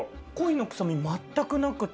鯉の臭み全くなくて。